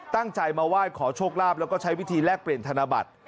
ตั้งใจมาไหว้ขอโชคลาภแล้วก็ใช้วิธีแลกเปลี่ยนธนบัตร